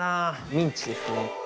ミンチですね。